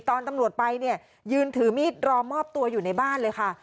ตอนตำรวจไปเนี่ยยืนถือมีดรอมอบตัวอยู่ในบ้านเลยค่ะ